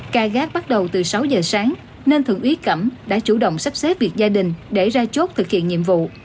ca gác bắt đầu từ sáu giờ sáng nên thượng úy cẩm đã chủ động sắp xếp việc gia đình để ra chốt thực hiện nhiệm vụ